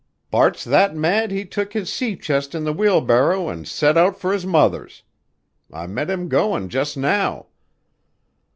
Bart's that mad he's took his sea chest in the wheelbarrow an' set out for his mother's. I met him goin' just now."